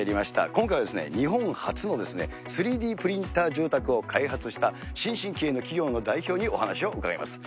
今回は、日本初の３Ｄプリンター住宅を開発した、新進気鋭の企業の代表にお話を伺います。